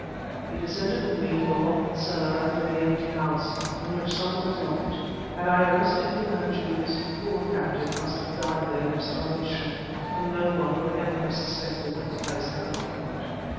He descended with me to a cellar under the empty house, in which some one was locked. Had I arrested Fu Manchu this poor captive must have died there of starvation; for no one would ever have suspected that the place had an occupant...."